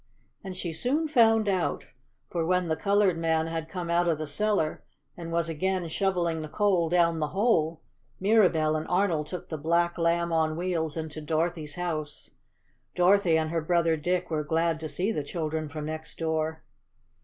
And she soon found out. For when the colored man had come out of the cellar, and was again shoveling the coal down the hole, Mirabell and Arnold took the black Lamb on Wheels into Dorothy's house. Dorothy and her brother Dick were glad to see the children from next door.